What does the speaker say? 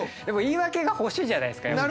でも言い訳が欲しいじゃないですか。